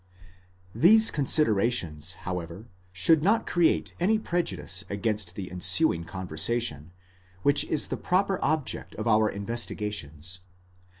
These considerations, however, should not create any prejudice against the ensuing conversation, which is the proper object of our investigations.